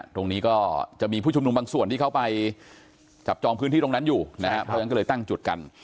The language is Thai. ตรงนี้จะมีผู้ชุมหนุ่มบางส่วนที่เข้าไปจับจอมพื้นที่ตั้งจุดกัน